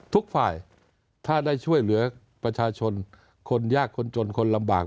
ทุกฝ่ายถ้าได้ช่วยเหลือประชาชนคนยากคนจนคนลำบาก